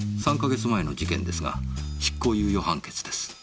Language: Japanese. ３か月前の事件ですが執行猶予判決です。